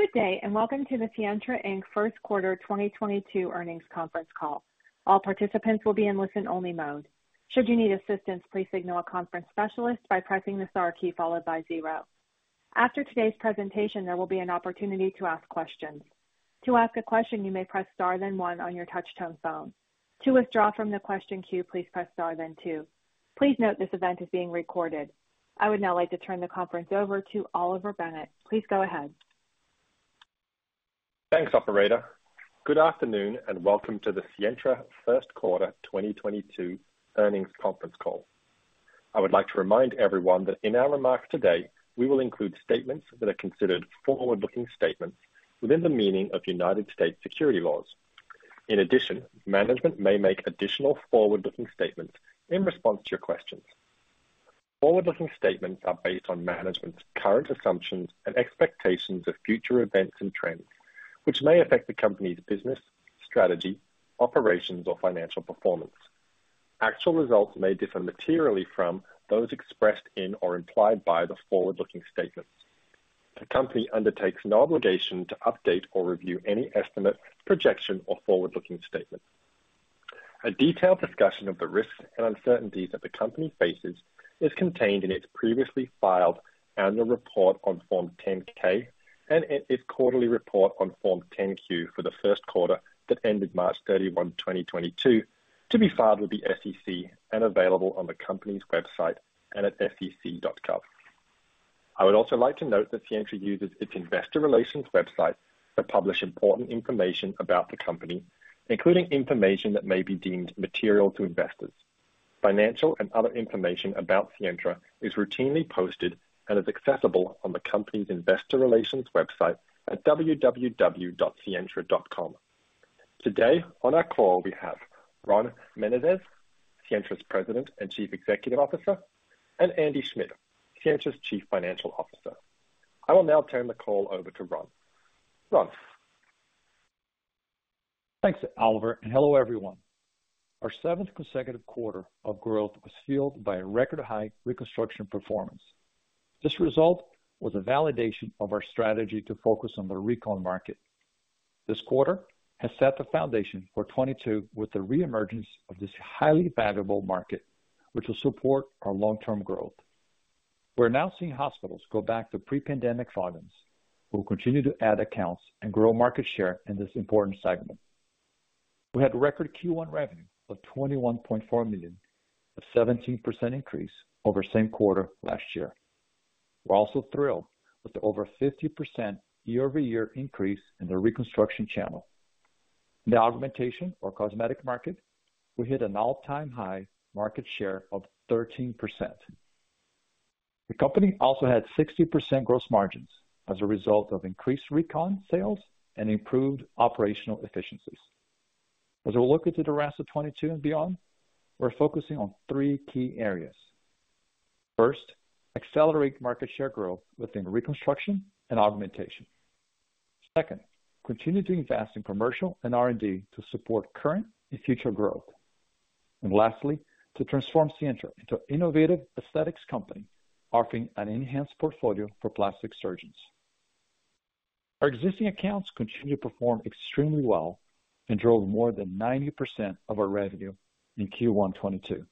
Good day, and welcome to the Sientra, Inc. First Quarter 2022 Earnings Conference Call. All participants will be in listen-only mode. Should you need assistance, please signal a conference specialist by pressing the star key followed by zero. After today's presentation, there will be an opportunity to ask questions. To ask a question, you may press star then one on your touchtone phone. To withdraw from the question queue, please press star then two. Please note this event is being recorded. I would now like to turn the conference over to Oliver Bennett. Please go ahead. Thanks, operator. Good afternoon, and welcome to the Sientra First Quarter 2022 Earnings Conference Call. I would like to remind everyone that in our remarks today, we will include statements that are considered forward-looking statements within the meaning of United States securities laws. In addition, management may make additional forward-looking statements in response to your questions. Forward-looking statements are based on management's current assumptions and expectations of future events and trends, which may affect the company's business, strategy, operations, or financial performance. Actual results may differ materially from those expressed in or implied by the forward-looking statements. The company undertakes no obligation to update or review any estimate, projection, or forward-looking statement. A detailed discussion of the risks and uncertainties that the company faces is contained in its previously filed annual report on Form 10-K and in its quarterly report on Form 10-Q for the first quarter that ended March 31, 2022, to be filed with the SEC and available on the company's website and at sec.gov. I would also like to note that Sientra uses its investor relations website to publish important information about the company, including information that may be deemed material to investors. Financial and other information about Sientra is routinely posted and is accessible on the company's investor relations website at www.sientra.com. Today, on our call, we have Ron Menezes, Sientra's President and Chief Executive Officer, and Andy Schmidt, Sientra's Chief Financial Officer. I will now turn the call over to Ron. Ron? Thanks, Oliver, and hello, everyone. Our 7th consecutive quarter of growth was fueled by a record-high reconstruction performance. This result was a validation of our strategy to focus on the recon market. This quarter has set the foundation for 2022 with the reemergence of this highly valuable market, which will support our long-term growth. We're now seeing hospitals go back to pre-pandemic volumes. We'll continue to add accounts and grow market share in this important segment. We had record Q1 revenue of $21.4 million, a 17% increase over same quarter last year. We're also thrilled with the over 50% year-over-year increase in the reconstruction channel. In the augmentation or cosmetic market, we hit an all-time high market share of 13%. The company also had 60% gross margins as a result of increased recon sales and improved operational efficiencies. As we look into the rest of 2022 and beyond, we're focusing on three key areas. First, accelerate market share growth within reconstruction and augmentation. Second, continue to invest in commercial and R&D to support current and future growth. Lastly, to transform Sientra into innovative aesthetics company offering an enhanced portfolio for plastic surgeons. Our existing accounts continue to perform extremely well and drove more than 90% of our revenue in Q1 2022.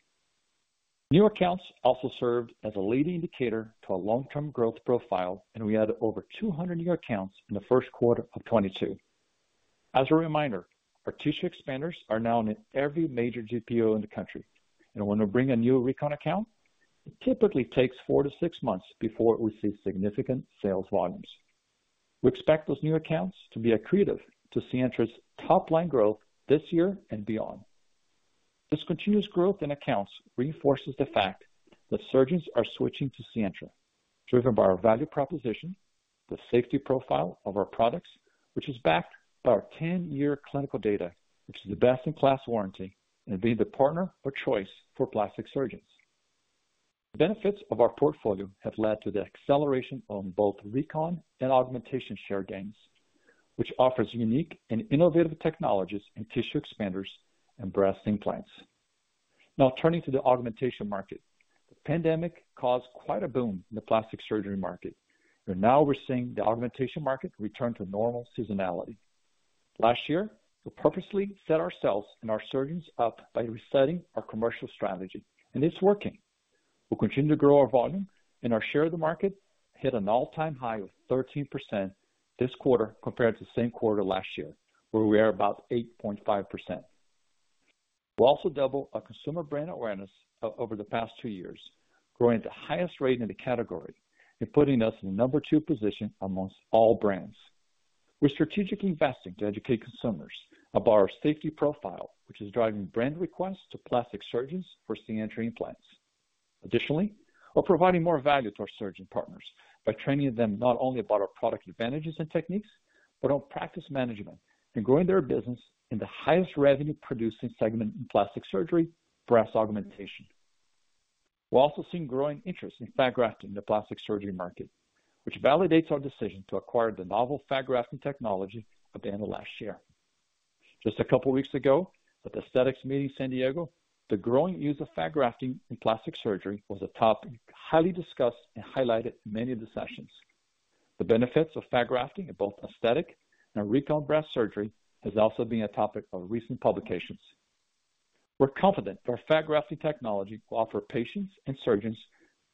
New accounts also served as a leading indicator to a long-term growth profile, and we had over 200 new accounts in the first quarter of 2022. As a reminder, our tissue expanders are now in every major GPO in the country. When we bring a new recon account, it typically takes four-six months before we see significant sales volumes. We expect those new accounts to be accretive to Sientra's top-line growth this year and beyond. This continuous growth in accounts reinforces the fact that surgeons are switching to Sientra, driven by our value proposition, the safety profile of our products, which is backed by our 10-year clinical data, which is the best-in-class warranty, and being the partner of choice for plastic surgeons. The benefits of our portfolio have led to the acceleration on both recon and augmentation share gains, which offers unique and innovative technologies in tissue expanders and breast implants. Now turning to the augmentation market. The pandemic caused quite a boom in the plastic surgery market, and now we're seeing the augmentation market return to normal seasonality. Last year, we purposely set ourselves and our surgeons up by resetting our commercial strategy, and it's working. We'll continue to grow our volume, and our share of the market hit an all-time high of 13% this quarter compared to the same quarter last year, where we were about 8.5%. We've also doubled our consumer brand awareness over the past two years, growing at the highest rate in the category and putting us in the number two position amongst all brands. We're strategically investing to educate consumers about our safety profile, which is driving brand requests to plastic surgeons for Sientra implants. Additionally, we're providing more value to our surgeon partners by training them not only about our product advantages and techniques, but on practice management and growing their business in the highest revenue-producing segment in plastic surgery, breast augmentation. We're also seeing growing interest in fat grafting in the plastic surgery market, which validates our decision to acquire the novel fat grafting technology at the end of last year. Just a couple weeks ago at The Aesthetic Meeting in San Diego, the growing use of fat grafting in plastic surgery was a topic highly discussed and highlighted in many of the sessions. The benefits of fat grafting in both aesthetic and recon breast surgery has also been a topic of recent publications. We're confident our fat grafting technology will offer patients and surgeons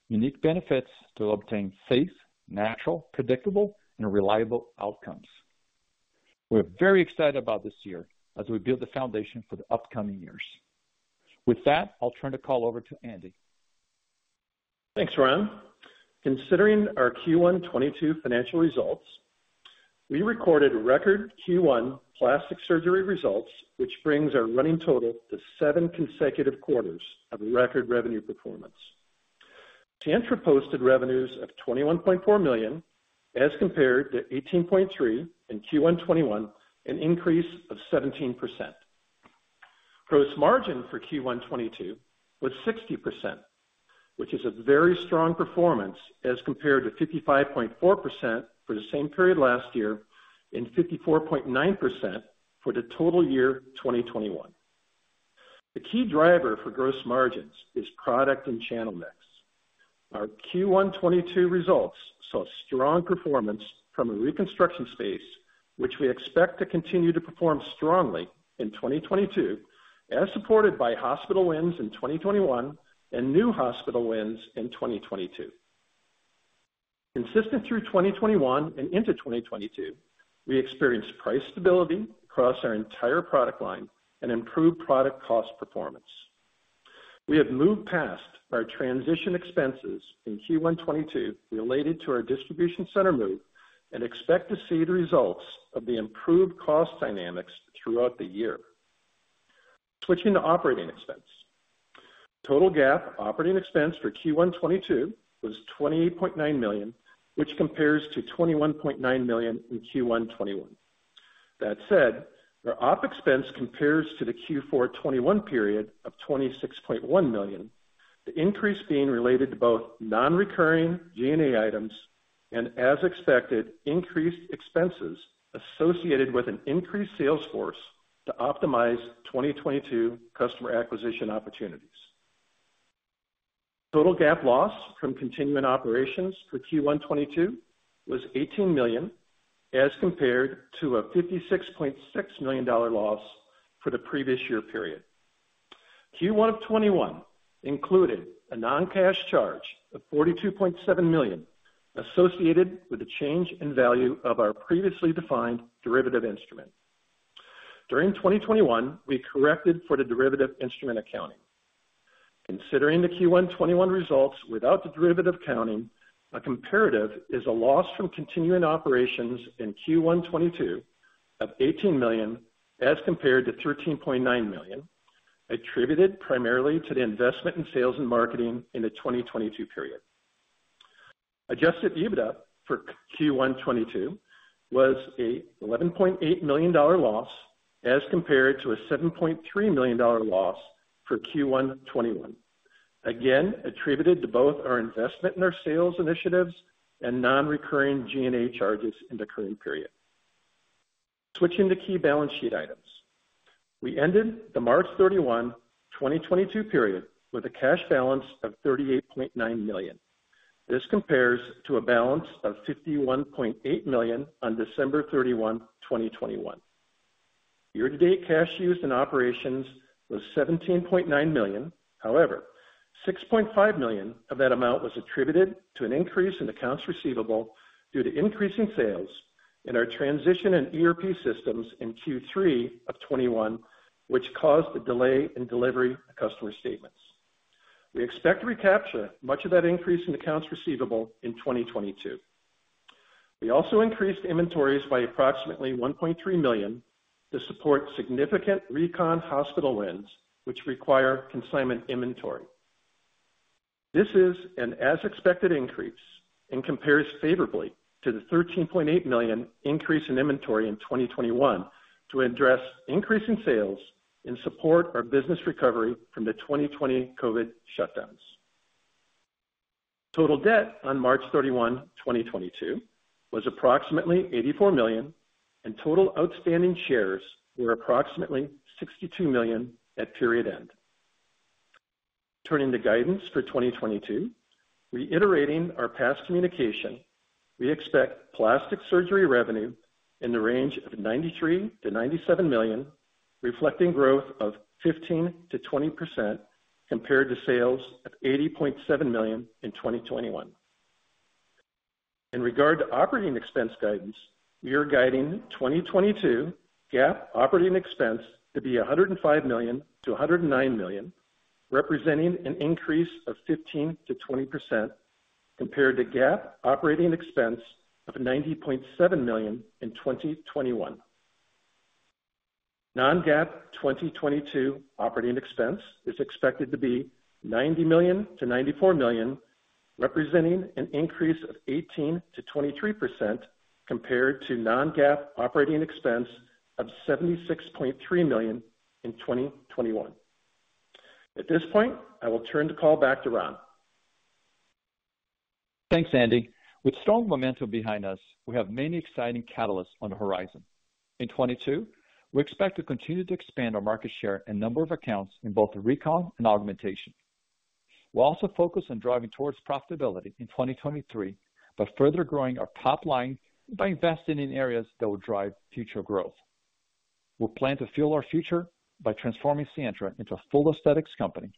unique benefits to obtain safe, natural, predictable, and reliable outcomes. We're very excited about this year as we build the foundation for the upcoming years. With that, I'll turn the call over to Andy. Thanks, Ron. Considering our Q1 2022 financial results, we recorded record Q1 plastic surgery results, which brings our running total to seven consecutive quarters of record revenue performance. Sientra posted revenues of $21.4 million as compared to $18.3 million in Q1 2021, an increase of 17%. Gross margin for Q1 2022 was 60%, which is a very strong performance as compared to 55.4% for the same period last year and 54.9% for the total year 2021. The key driver for gross margins is product and channel mix. Our Q1 2022 results saw strong performance from a reconstruction space, which we expect to continue to perform strongly in 2022, as supported by hospital wins in 2021 and new hospital wins in 2022. Consistent through 2021 and into 2022, we experienced price stability across our entire product line and improved product cost performance. We have moved past our transition expenses in Q1 2022 related to our distribution center move and expect to see the results of the improved cost dynamics throughout the year. Switching to operating expense. Total GAAP operating expense for Q1 2022 was $28.9 million, which compares to $21.9 million in Q1 2021. That said, our OpEx compares to the Q4 2021 period of $26.1 million. The increase being related to both non-recurring G&A items and as expected, increased expenses associated with an increased sales force to optimize 2022 customer acquisition opportunities. Total GAAP loss from continuing operations for Q1 2022 was $18 million, as compared to a $56.6 million loss for the previous year period. Q1 2021 included a non-cash charge of $42.7 million associated with the change in value of our previously defined derivative instrument. During 2021, we corrected for the derivative instrument accounting. Considering the Q1 2021 results without the derivative accounting, a comparative is a loss from continuing operations in Q1 2022 of $18 million as compared to $13.9 million, attributed primarily to the investment in sales and marketing in the 2022 period. Adjusted EBITDA for Q1 2022 was a $11.8 million dollar loss, as compared to a $7.3 million dollar loss for Q1 2021. Again, attributed to both our investment in our sales initiatives and non-recurring G&A charges in the current period. Switching to key balance sheet items. We ended the March 31, 2022 period with a cash balance of $38.9 million. This compares to a balance of $51.8 million on December 31, 2021. Year to date, cash used in operations was $17.9 million. However, $6.5 million of that amount was attributed to an increase in accounts receivable due to increasing sales and our transition in ERP systems in Q3 of 2021, which caused a delay in delivery of customer statements. We expect to recapture much of that increase in accounts receivable in 2022. We also increased inventories by approximately $1.3 million to support significant recon hospital wins which require consignment inventory. This is an as expected increase and compares favorably to the $13.8 million increase in inventory in 2021 to address increase in sales and support our business recovery from the 2020 COVID shutdowns. Total debt on March 31, 2022 was approximately $84 million, and total outstanding shares were approximately 62 million at period end. Turning to guidance for 2022. Reiterating our past communication, we expect plastic surgery revenue in the range of $93 million-$97 million, reflecting growth of 15%-20% compared to sales of $80.7 million in 2021. In regard to operating expense guidance, we are guiding 2022 GAAP operating expense to be $105 million-$109 million, representing an increase of 15%-20% compared to GAAP operating expense of $90.7 million in 2021. Non-GAAP 2022 operating expense is expected to be $90 million-$94 million, representing an increase of 18%-23% compared to Non-GAAP operating expense of $76.3 million in 2021. At this point, I will turn the call back to Ron Menezes. Thanks, Andy. With strong momentum behind us, we have many exciting catalysts on the horizon. In 2022, we expect to continue to expand our market share and number of accounts in both the recon and augmentation. We'll also focus on driving towards profitability in 2023 by further growing our top line by investing in areas that will drive future growth. We'll plan to fuel our future by transforming Sientra into a full aesthetics company,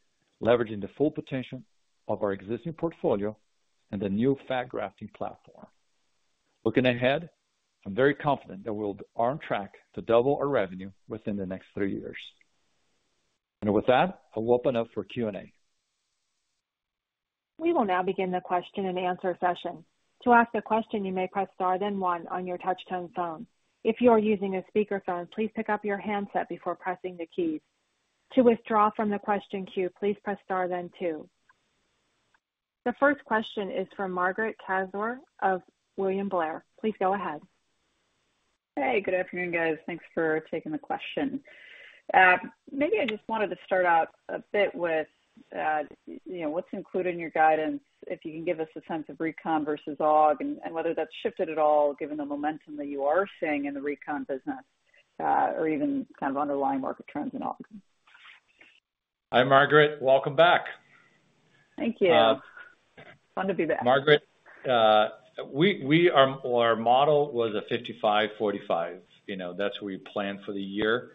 leveraging the full potential of our existing portfolio and the new fat grafting platform. Looking ahead, I'm very confident that we'll be on track to double our revenue within the next three years. With that, I'll open up for Q&A. We will now begin the question and answer session. To ask a question, you may press star then one on your touch-tone phone. If you are using a speaker phone, please pick up your handset before pressing the keys. To withdraw from the question queue, please press star then two. The first question is from Margaret Kaczor of William Blair. Please go ahead. Hey, good afternoon, guys. Thanks for taking the question. Maybe I just wanted to start out a bit with, you know, what's included in your guidance, if you can give us a sense of recon versus aug, and whether that's shifted at all given the momentum that you are seeing in the recon business, or even kind of underlying market trends in aug. Hi, Margaret. Welcome back. Thank you. Fun to be back. Margaret, our model was a 55-45. You know, that's what we planned for the year.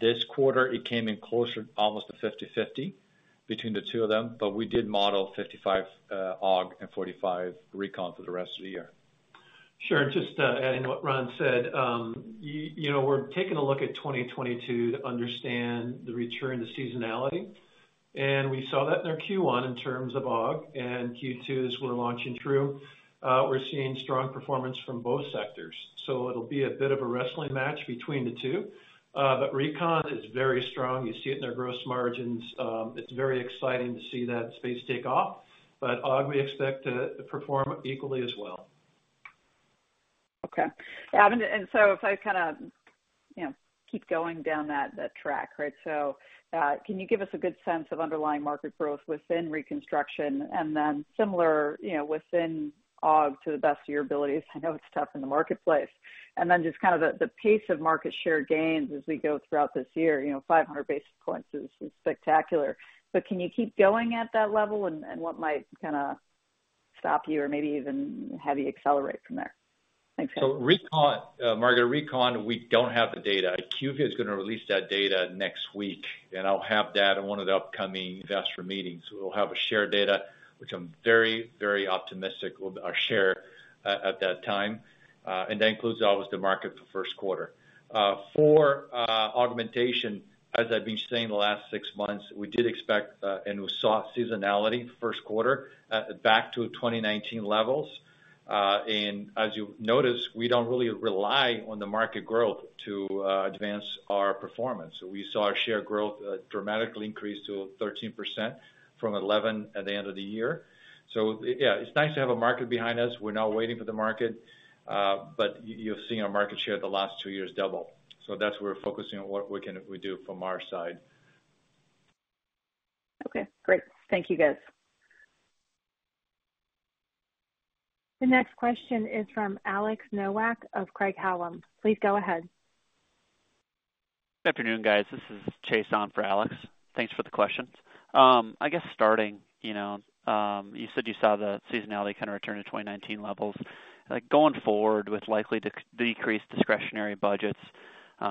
This quarter, it came in closer, almost to 50/50 between the two of them, but we did model 55 aug and 45 recon for the rest of the year. Sure. Just adding what Ron said, you know, we're taking a look at 2022 to understand the return to seasonality, and we saw that in our Q1 in terms of aug and Q2 as we're launching through. We're seeing strong performance from both sectors. It'll be a bit of a wrestling match between the two. Recon is very strong. You see it in their gross margins. It's very exciting to see that space take off. Aug, we expect to perform equally as well. Okay. If I kind of, you know, keep going down that track, right? Can you give us a good sense of underlying market growth within reconstruction and then similar, you know, within aug to the best of your abilities? I know it's tough in the marketplace. Just kind of the pace of market share gains as we go throughout this year. You know, 500 basis points is spectacular. Can you keep going at that level? What might kinda stop you or maybe even have you accelerate from there? Thanks. Recon, Margaret, we don't have the data. IQVIA is gonna release that data next week, and I'll have that in one of the upcoming investor meetings. We'll have a share data, which I'm very, very optimistic with our share at that time. That includes always the market for first quarter. For augmentation, as I've been saying the last six months, we did expect and we saw seasonality first quarter back to 2019 levels. As you've noticed, we don't really rely on the market growth to advance our performance. We saw our share growth dramatically increase to 13% from 11% at the end of the year. Yeah, it's nice to have a market behind us. We're not waiting for the market, but you've seen our market share the last two years double. That's where we're focusing on what we do from our side. Okay, great. Thank you, guys. The next question is from Alex Nowak of Craig-Hallum. Please go ahead. Good afternoon, guys. This is Chase on for Alex. Thanks for the questions. I guess starting, you know, you said you saw the seasonality kind of return to 2019 levels. Like, going forward with likely decreased discretionary budgets,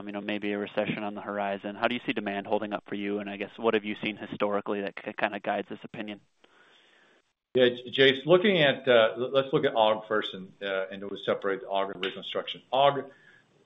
you know, maybe a recession on the horizon, how do you see demand holding up for you? I guess, what have you seen historically that kind of guides this opinion? Yeah, Chase, let's look at aug first and we'll separate aug and reconstruction. Aug,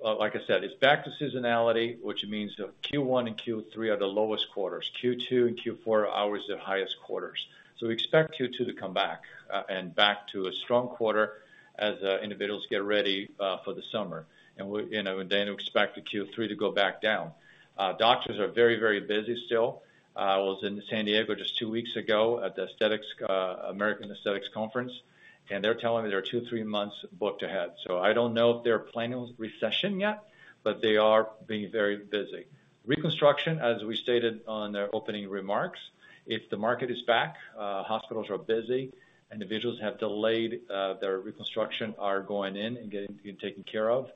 like I said, is back to seasonality, which means that Q1 and Q3 are the lowest quarters. Q2 and Q4 are always the highest quarters. We expect Q2 to come back and back to a strong quarter as individuals get ready for the summer. You know, and then expect the Q3 to go back down. Doctors are very, very busy still. I was in San Diego just two weeks ago at The Aesthetic Meeting, and they're telling me they're two-three months booked ahead. I don't know if they are planning a recession yet, but they are being very busy. Reconstruction, as we stated on the opening remarks, if the market is back, hospitals are busy, individuals who have delayed their reconstruction are going in and getting taken care of.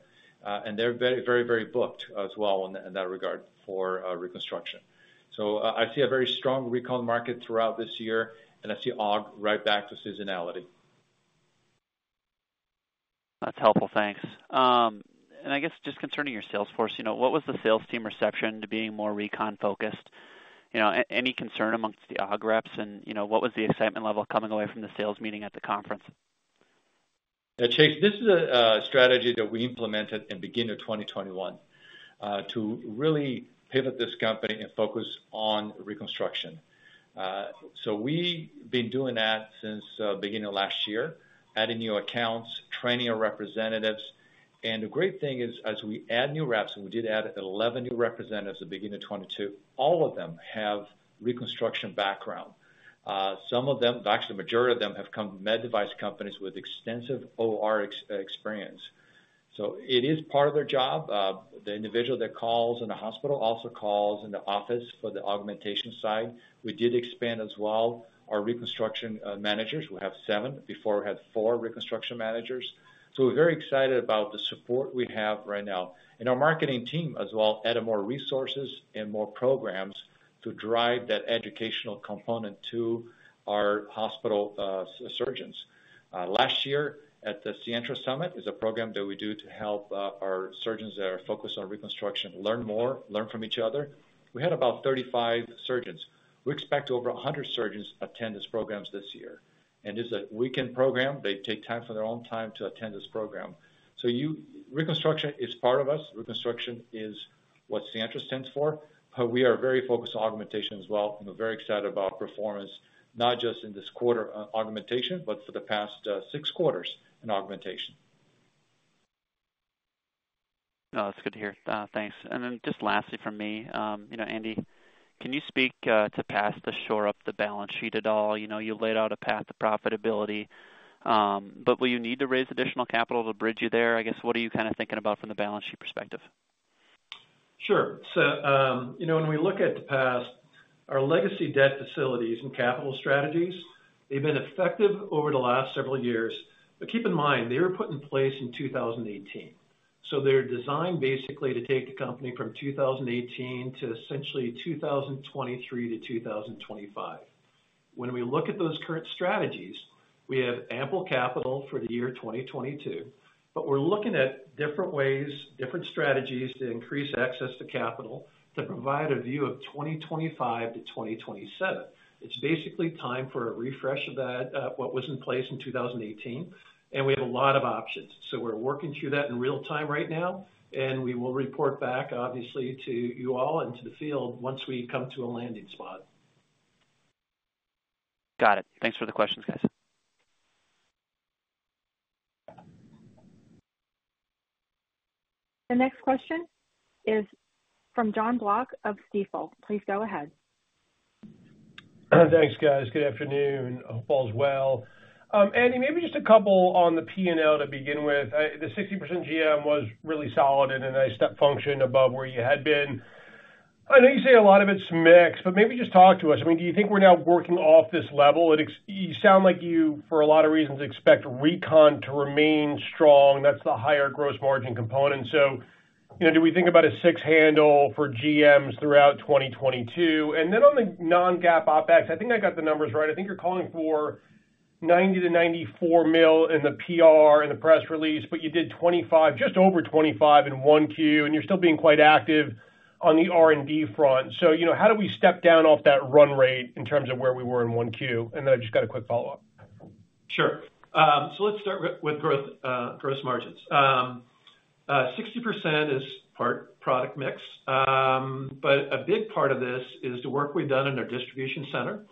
They're very booked as well in that regard for reconstruction. I see a very strong recon market throughout this year, and I see aug right back to seasonality. That's helpful. Thanks. I guess just concerning your sales force, you know, what was the sales team reception to being more recon-focused? You know, any concern amongst the aug reps and, you know, what was the excitement level coming away from the sales meeting at the conference? Yeah, Chase, this is a strategy that we implemented in beginning of 2021 to really pivot this company and focus on reconstruction. We've been doing that since beginning of last year, adding new accounts, training our representatives. The great thing is, as we add new reps, and we did add 11 new representatives at the beginning of 2022, all of them have reconstruction background. Some of them, actually majority of them, have come from med device companies with extensive OR experience. It is part of their job. The individual that calls in the hospital also calls in the office for the augmentation side. We did expand as well, our reconstruction managers. We have seven. Before we had four reconstruction managers. We're very excited about the support we have right now. Our marketing team as well added more resources and more programs to drive that educational component to our hospital surgeons. Last year at the Sientra Summit is a program that we do to help our surgeons that are focused on reconstruction learn more, learn from each other. We had about 35 surgeons. We expect over 100 surgeons attend these programs this year, and it's a weekend program. They take time from their own time to attend this program. Reconstruction is part of us. Reconstruction is what Sientra stands for. We are very focused on augmentation as well, and we're very excited about performance, not just in this quarter, augmentation, but for the past, six quarters in augmentation. No, that's good to hear. Thanks. Just lastly from me, you know, Andy, can you speak to shore up the balance sheet at all? You know, you laid out a path to profitability, but will you need to raise additional capital to bridge to there? I guess, what are you kind of thinking about from the balance sheet perspective? Sure. You know, when we look at the past, our legacy debt facilities and capital strategies, they've been effective over the last several years. Keep in mind, they were put in place in 2018, so they're designed basically to take the company from 2018 to essentially 2023 to 2025. When we look at those current strategies, we have ample capital for the year 2022, but we're looking at different ways, different strategies to increase access to capital to provide a view of 2025 to 2027. It's basically time for a refresh of that, what was in place in 2018, and we have a lot of options. We're working through that in real time right now, and we will report back obviously to you all and to the field once we come to a landing spot. Got it. Thanks for the questions, guys. The next question is from Jon Block of Stifel. Please go ahead. Thanks, guys. Good afternoon. Hope all is well. Andy, maybe just a couple on the P&L to begin with. The 60% GM was really solid and a nice step function above where you had been. I know you say a lot of it's mix, but maybe just talk to us. I mean, do you think we're now working off this level? You sound like you, for a lot of reasons, expect recon to remain strong. That's the higher gross margin component. So, you know, do we think about a six handle for GMs throughout 2022? On the Non-GAAP OpEx, I think I got the numbers right. I think you're calling for $90-$94 million in the PR, in the press release, but you did 25, just over 25 in 1Q, and you're still being quite active on the R&D front. You know, how do we step down off that run rate in terms of where we were in 1Q? Then I've just got a quick follow-up. Sure. Let's start with growth, gross margins. 60% is part product mix. A big part of this is the work we've done in our distribution center.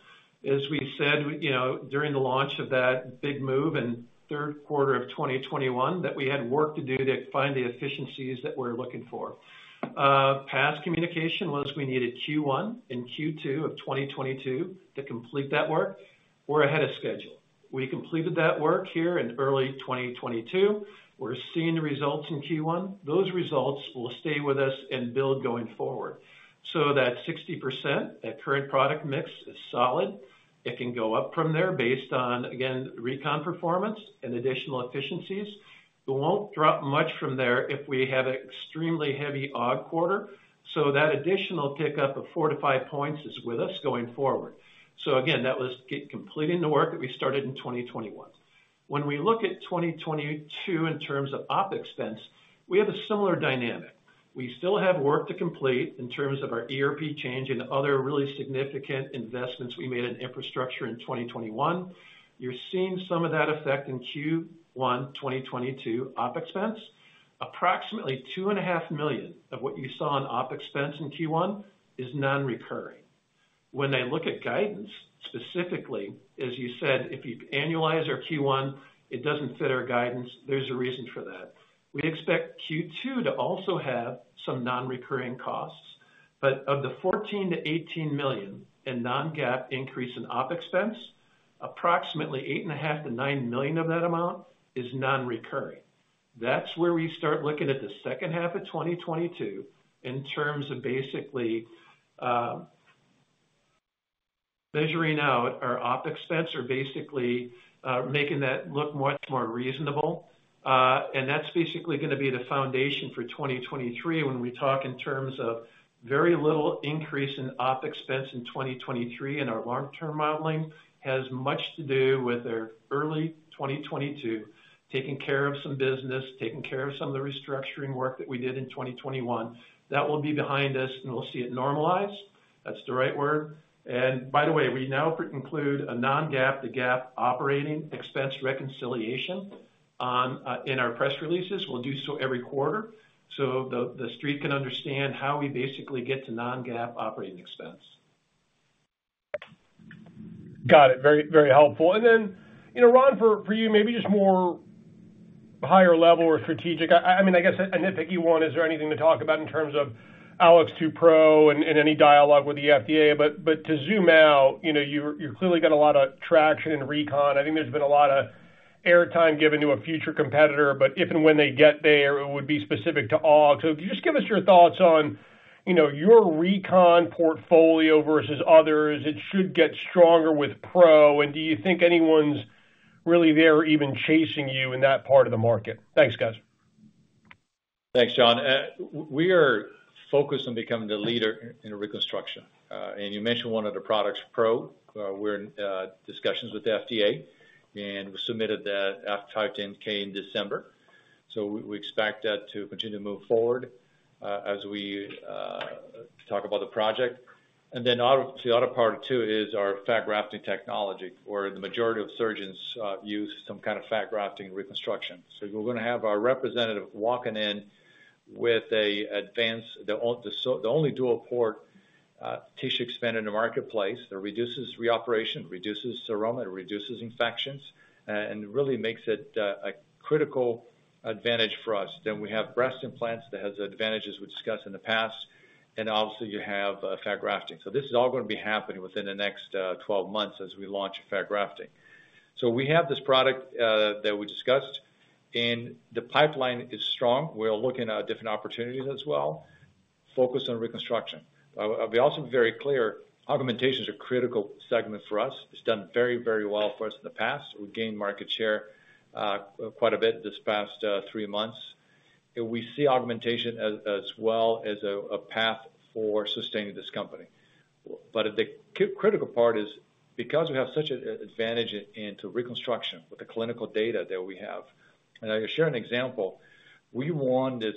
As we said, you know, during the launch of that big move in third quarter of 2021 that we had work to do to find the efficiencies that we're looking for. Past communication was we needed Q1 and Q2 of 2022 to complete that work. We're ahead of schedule. We completed that work here in early 2022. We're seeing the results in Q1. Those results will stay with us and build going forward. That 60%, that current product mix is solid. It can go up from there based on, again, recon performance and additional efficiencies. It won't drop much from there if we have an extremely heavy aug quarter. That additional pickup of four-five points is with us going forward. Again, that was completing the work that we started in 2021. When we look at 2022 in terms of OpEx expense, we have a similar dynamic. We still have work to complete in terms of our ERP change and other really significant investments we made in infrastructure in 2021. You're seeing some of that effect in Q1 2022 OpEx expense. Approximately $2.5 million of what you saw in OpEx expense in Q1 is non-recurring. When I look at guidance, specifically, as you said, if you annualize our Q1, it doesn't fit our guidance. There's a reason for that. We'd expect Q2 to also have some non-recurring costs, but of the $14 million-$18 million in Non-GAAP increase in OpEx expense, approximately $8.5 million-$9 million of that amount is non-recurring. That's where we start looking at the second half of 2022 in terms of basically, measuring out our OpEx expense or basically, making that look much more reasonable. That's basically gonna be the foundation for 2023 when we talk in terms of very little increase in OpEx expense in 2023, and our long-term modeling has much to do with our early 2022, taking care of some business, taking care of some of the restructuring work that we did in 2021. That will be behind us, and we'll see it normalize. That's the right word. By the way, we now include a Non-GAAP to GAAP operating expense reconciliation in our press releases. We'll do so every quarter, so the Street can understand how we basically get to Non-GAAP operating expense. Got it. Very, very helpful. Then, you know, Ron, for you, maybe just more higher level or strategic. I mean, I guess, if you want, is there anything to talk about in terms of AlloX2 Pro and any dialogue with the FDA? To zoom out, you know, you're clearly got a lot of traction in recon. I think there's been a lot of airtime given to a future competitor, but if and when they get there, it would be specific to Aug. If you just give us your thoughts on, you know, your recon portfolio versus others, it should get stronger with Pro. Do you think anyone's really there even chasing you in that part of the market? Thanks, guys. Thanks, John. We are focused on becoming the leader in reconstruction. You mentioned one of the products, PRO. We're in discussions with the FDA, and we submitted that 510(k) in December. We expect that to continue to move forward as we talk about the project. The other part too is our fat grafting technology, where the majority of surgeons use some kind of fat grafting reconstruction. We're gonna have our representative walking in with the only dual port tissue expander in the marketplace that reduces reoperation, reduces seroma, it reduces infections, and really makes it a critical advantage for us. We have breast implants that has advantages we've discussed in the past, and obviously you have fat grafting. This is all gonna be happening within the next 12 months as we launch fat grafting. We have this product that we discussed, and the pipeline is strong. We're looking at different opportunities as well, focused on reconstruction. I'll also be very clear, augmentations are a critical segment for us. It's done very, very well for us in the past. We've gained market share quite a bit this past 3 months. We see augmentation as well as a path for sustaining this company. The critical part is because we have such an advantage into reconstruction with the clinical data that we have, and I'll share an example, we won this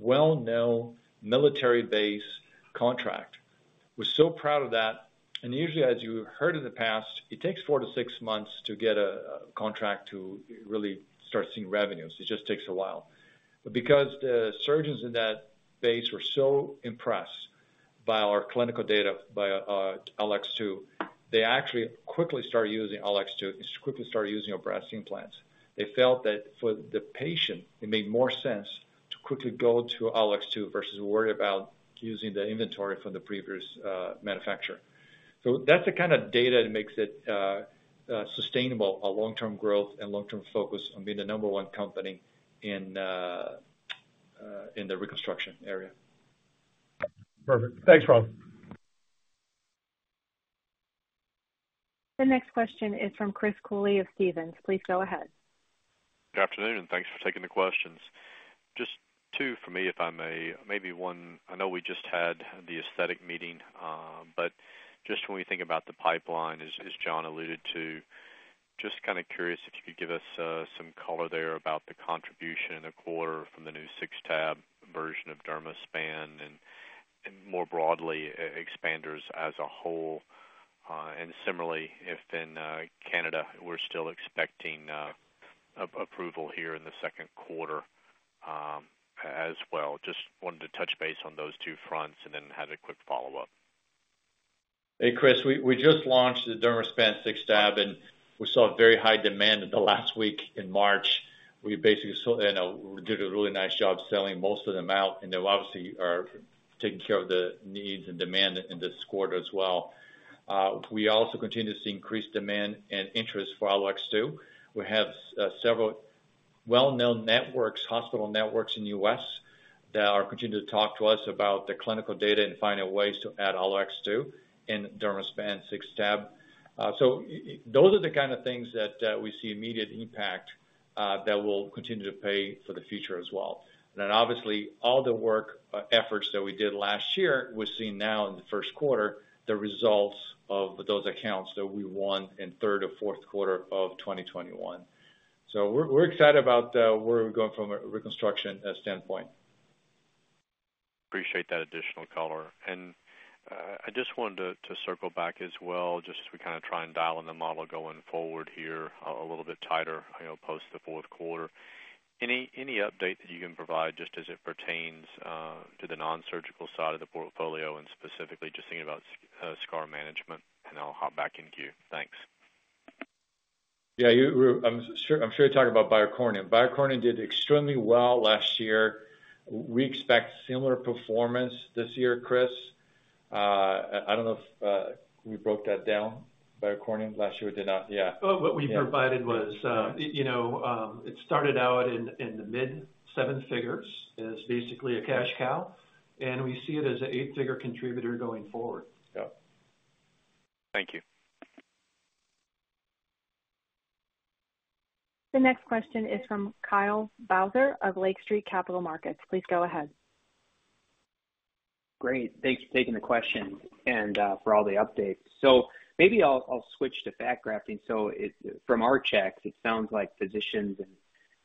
well-known military base contract. We're so proud of that, and usually, as you heard in the past, it takes four-six months to get a contract to really start seeing revenues. It just takes a while. Because the surgeons in that base were so impressed by our clinical data, by AlloX2, they actually quickly started using AlloX2, and quickly started using our breast implants. They felt that for the patient, it made more sense to quickly go to AlloX2 versus worry about using the inventory from the previous manufacturer. That's the kind of data that makes it sustainable, a long-term growth and long-term focus on being the number one company in the reconstruction area. Perfect. Thanks, Ron Menezes. The next question is from Chris Cooley of Stephens. Please go ahead. Good afternoon, and thanks for taking the questions. Just two for me, if I may. Maybe one. I know we just had The Aesthetic Meeting, but just when we think about the pipeline, as John alluded to, just kind of curious if you could give us some color there about the contribution in the quarter from the new six-tab version of Dermaspan and, more broadly, expanders as a whole. And similarly, if in Canada, we're still expecting approval here in the second quarter, as well. Just wanted to touch base on those two fronts, and then had a quick follow-up. Hey, Chris. We just launched the Dermaspan six-tab, and we saw a very high demand in the last week in March. We basically saw, you know, did a really nice job selling most of them out, and they obviously are taking care of the needs and demand in this quarter as well. We also continue to see increased demand and interest for AlloX2. We have several well-known networks, hospital networks in U.S. that are continuing to talk to us about the clinical data and finding ways to add AlloX2 and Dermaspan six-tab. Those are the kind of things that we see immediate impact that will continue to pay for the future as well. Obviously, all the work, efforts that we did last year, we're seeing now in the first quarter, the results of those accounts that we won in third or fourth quarter of 2021. We're excited about where we're going from a reconstruction standpoint. Appreciate that additional color. I just wanted to circle back as well, just as we kind of try and dial in the model going forward here a little bit tighter, you know, post the fourth quarter. Any update that you can provide just as it pertains to the nonsurgical side of the portfolio and specifically just thinking about scar management, and I'll hop back in queue. Thanks. Yeah, you're. I'm sure you're talking about BIOCORNEUM. BIOCORNEUM did extremely well last year. We expect similar performance this year, Chris. I don't know if we broke that down, BIOCORNEUM, last year we did not. Yeah. Well, what we provided was, you know, it started out in the mid-seven figures as basically a cash cow, and we see it as an eight-figure contributor going forward. Yeah. Thank you. The next question is from Kyle Bauser of Lake Street Capital Markets. Please go ahead. Great. Thanks for taking the question and, for all the updates. Maybe I'll switch to fat grafting. From our checks, it sounds like physicians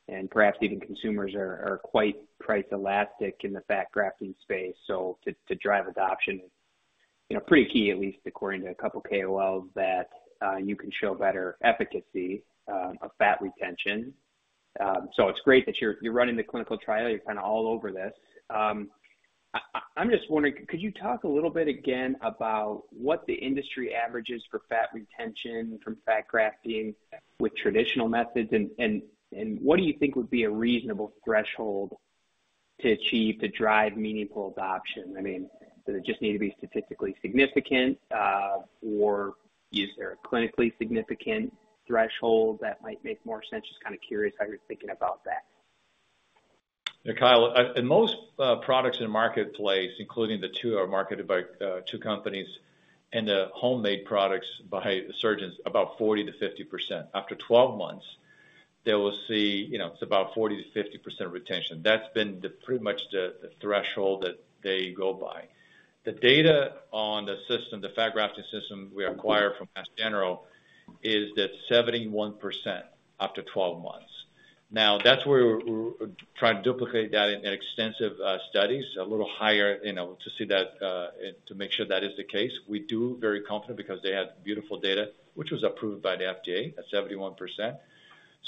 and perhaps even consumers are quite price elastic in the fat grafting space. To drive adoption, you know, pretty key, at least according to a couple of KOLs that you can show better efficacy of fat retention. I'm just wondering, could you talk a little bit again about what the industry average is for fat retention from fat grafting with traditional methods and what do you think would be a reasonable threshold to achieve to drive meaningful adoption. I mean, does it just need to be statistically significant, or is there a clinically significant threshold that might make more sense? Just kind of curious how you're thinking about that. Yeah, Kyle, in most products in the marketplace, including the two that are marketed by two companies and the homemade products by surgeons, about 40%-50%. After 12 months, they will see, you know, it's about 40%-50% retention. That's been pretty much the threshold that they go by. The data on the system, the fat grafting system we acquired from Mass General is that 71% after 12 months. Now, that's where we're trying to duplicate that in extensive studies a little higher, you know, to see that and to make sure that is the case. We are very confident because they had beautiful data, which was approved by the FDA at 71%.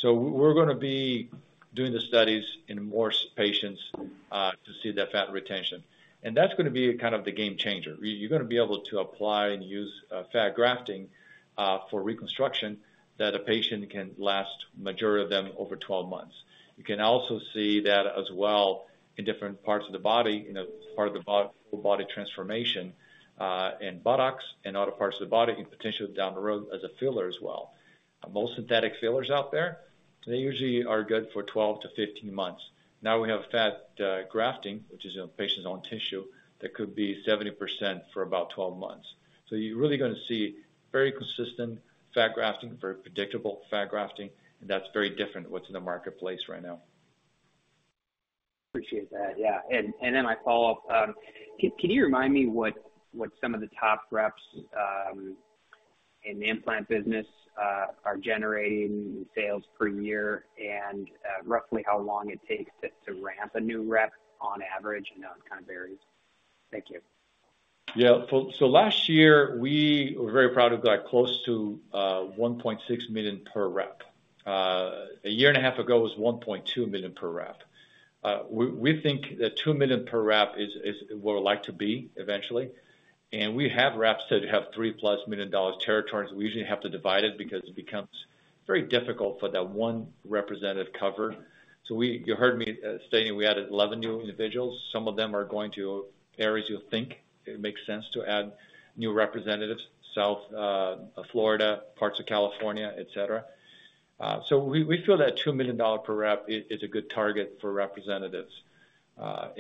We're gonna be doing the studies in more patients to see that fat retention. That's gonna be kind of the game changer. You're gonna be able to apply and use fat grafting for reconstruction that a patient can last majority of them over 12 months. You can also see that as well in different parts of the body, you know, as part of the whole body transformation, and buttocks and other parts of the body can potentially down the road as a filler as well. Most synthetic fillers out there, they usually are good for 12-15 months. Now we have fat grafting, which is a patient's own tissue that could be 70% for about 12 months. You're really gonna see very consistent fat grafting, very predictable fat grafting, and that's very different to what's in the marketplace right now. Appreciate that. Yeah. My follow-up, can you remind me what some of the top reps in the implant business are generating in sales per year and roughly how long it takes to ramp a new rep on average? I know it kind of varies. Thank you. Yeah. Last year, we were very proud. We got close to $1.6 million per rep. A year and a half ago, it was $1.2 million per rep. We think that $2 million per rep is where we're likely to be eventually. We have reps that have $3+ million dollar territories. We usually have to divide it because it becomes very difficult for that one representative cover. You heard me stating we added 11 new individuals. Some of them are going to areas you'll think it makes sense to add new representatives, South Florida, parts of California, et cetera. We feel that $2 million dollar per rep is a good target for representatives. As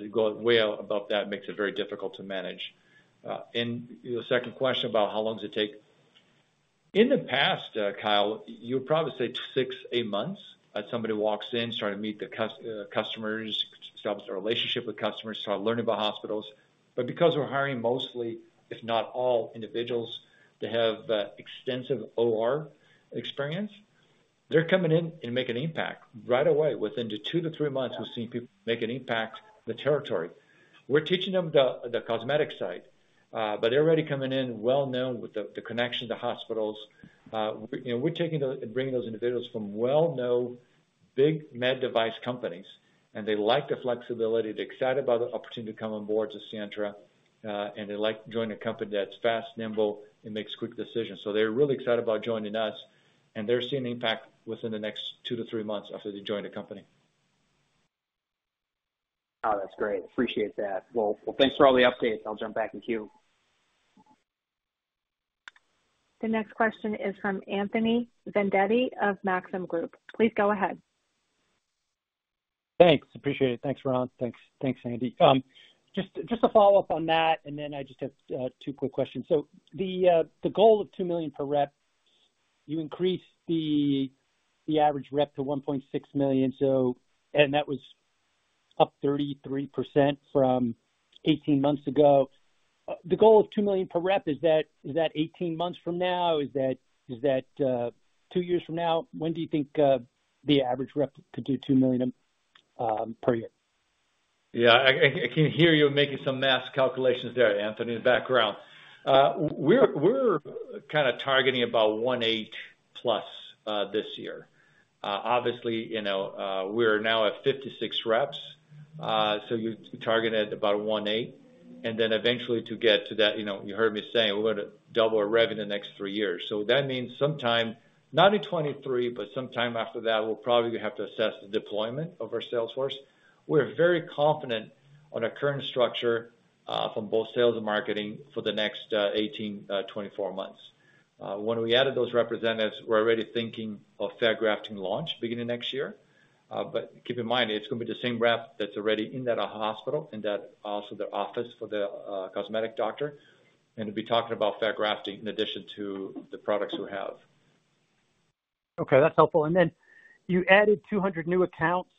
it go way above that, it makes it very difficult to manage. Your second question about how long does it take. In the past, Kyle, you would probably say 6-8 months that somebody walks in, start to meet the customers, establish their relationship with customers, start learning about hospitals. Because we're hiring mostly, if not all individuals that have extensive OR experience, they're coming in and make an impact right away. Within the two to three months, we've seen people make an impact in the territory. We're teaching them the cosmetic side, but they're already coming in well-known with the connection to hospitals. You know, we're taking those and bringing those individuals from well-known big med device companies, and they like the flexibility. They're excited about the opportunity to come on board to Sientra, and they like to join a company that's fast, nimble, and makes quick decisions. They're really excited about joining us, and they're seeing impact within the next 2-3 months after they joined the company. Oh, that's great. Appreciate that. Well, thanks for all the updates. I'll jump back in queue. The next question is from Anthony Vendetti of Maxim Group. Please go ahead. Thanks. Appreciate it. Thanks, Ron. Thanks, Andy. Just a follow-up on that, and then I just have two quick questions. The goal of $2 million per rep, you increased the average rep to $1.6 million, and that was up 33% from 18 months ago. The goal of $2 million per rep, is that 18 months from now? Is that two years from now? When do you think the average rep could do $2 million per year? Yeah. I can hear you making some math calculations there, Anthony, in the background. We're kinda targeting about 108+ this year. Obviously, you know, we're now at 56 reps, so you target at about 108, and then eventually to get to that, you know, you heard me saying we're gonna double our revenue the next three years. That means sometime, not in 2023, but sometime after that, we'll probably have to assess the deployment of our sales force. We're very confident on our current structure from both sales and marketing for the next 18-24 months. When we added those representatives, we're already thinking of fat grafting launch beginning next year. Keep in mind, it's gonna be the same rep that's already in that hospital, also their office for the cosmetic doctor, and to be talking about fat grafting in addition to the products we have. Okay. That's helpful. You added 200 new accounts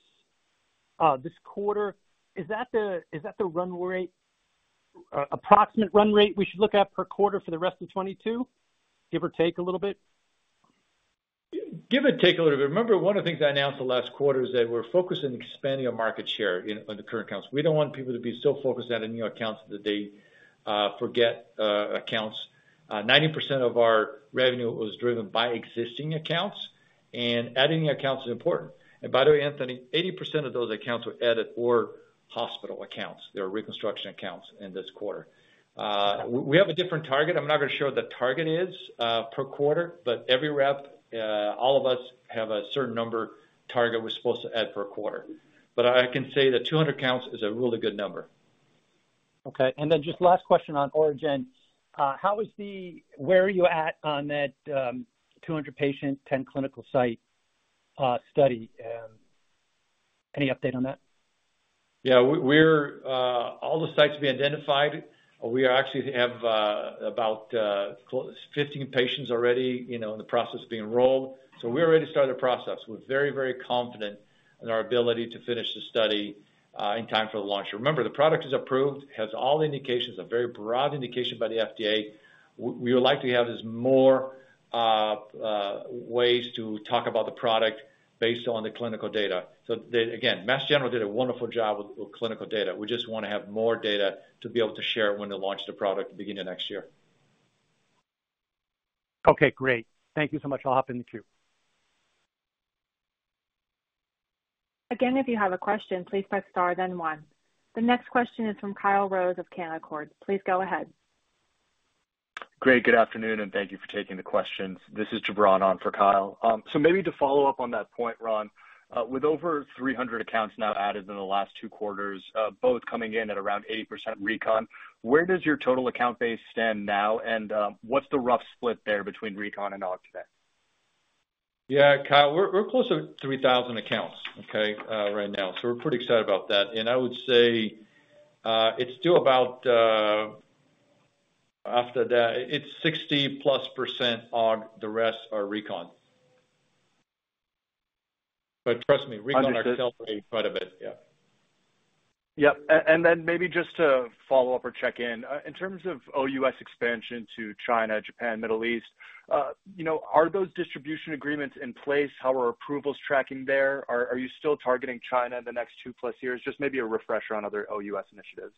this quarter. Is that the run rate, approximate run rate we should look at per quarter for the rest of 2022, give or take a little bit? Give or take a little bit. Remember, one of the things I announced the last quarter is that we're focused on expanding our market share in, on the current accounts. We don't want people to be so focused on the new accounts that they forget accounts. 90% of our revenue was driven by existing accounts, and adding accounts is important. By the way, Anthony, 80% of those accounts were added or hospital accounts. They are reconstruction accounts in this quarter. We have a different target. I'm not gonna share what the target is per quarter, but every rep, all of us have a certain number target we're supposed to add per quarter. I can say that 200 accounts is a really good number. Okay. Just last question on ORIGIN. Where are you at on that 200-patient, 10 clinical site study? Any update on that? We have all the sites we identified. We actually have about 15 patients already, you know, in the process of being enrolled. We already started the process. We're very confident in our ability to finish the study in time for the launch. Remember, the product is approved, has all the indications, a very broad indication by the FDA. We would like more ways to talk about the product based on the clinical data. Again, Mass General did a wonderful job with clinical data. We just wanna have more data to be able to share when they launch the product at the beginning of next year. Okay, great. Thank you so much. I'll hop in the queue. Again, if you have a question, please press star then one. The next question is from Kyle Rose of Canaccord Genuity. Please go ahead. Great, good afternoon, and thank you for taking the questions. This is Jabran on for Kyle. Maybe to follow up on that point, Ron Menezes. With over 300 accounts now added in the last two quarters, both coming in at around 80% recon, where does your total account base stand now? What's the rough split there between recon and aug today? Yeah, Kyle, we're close to 3,000 accounts, okay, right now. We're pretty excited about that. I would say it's still about, after that, it's 60+% aug. The rest are recon. Trust me- Understood. Recon are still pretty quiet a bit, yeah. Maybe just to follow up or check in. In terms of OUS expansion to China, Japan, Middle East, you know, are those distribution agreements in place? How are approvals tracking there? Are you still targeting China in the next two-plus years? Just maybe a refresher on other OUS initiatives.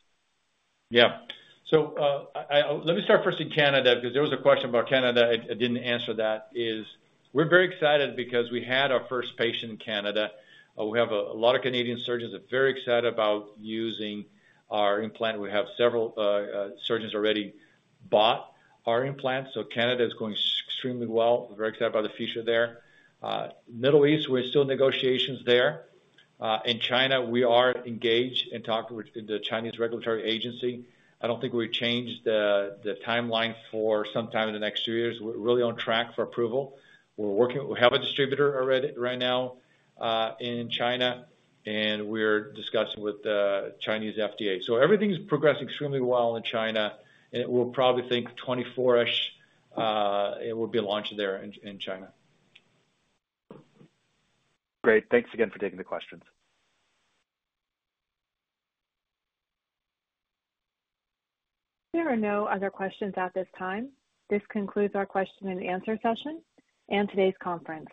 Let me start first in Canada because there was a question about Canada. I didn't answer that, is we're very excited because we had our first patient in Canada. We have a lot of Canadian surgeons are very excited about using our implant. We have several surgeons already bought our implant, so Canada is going extremely well. We're very excited about the future there. Middle East, we're still in negotiations there. In China, we are engaged and talking with the Chinese regulatory agency. I don't think we changed the timeline for sometime in the next 2 years. We're really on track for approval. We're working. We have a distributor already right now in China, and we're discussing with the Chinese FDA. Everything is progressing extremely well in China, and we'll probably think 2024-ish. It will be launched there in China. Great. Thanks again for taking the questions. There are no other questions at this time. This concludes our question and answer session and today's conference.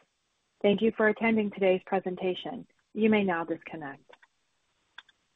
Thank you for attending today's presentation. You may now disconnect.